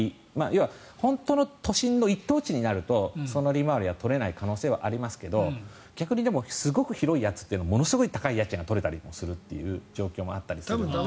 要は、本当に都心の一等地になりますとその利回りは取れない可能性はありますが逆にすごく広いやつはものすごい高い家賃が取れたりすることもあるので。